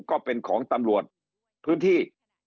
ก็เป็นของตำรวจพื้นที่